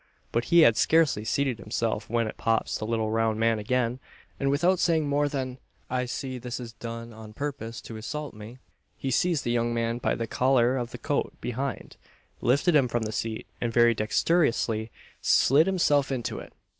But he had scarcely seated himself when in pops the little round man again, and without saying more than "I see this is done on purpose to insult me!" he seized the young man by the collar of the coat behind, lifted him from the seat, and very dexterously slid himself into it.